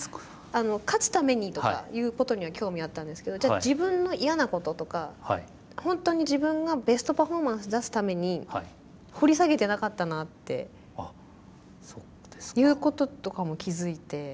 あの勝つためにとかいうことには興味あったんですけどじゃあ自分の嫌なこととかほんとに自分がベストパフォーマンス出すために掘り下げてなかったなっていうこととかも気付いて。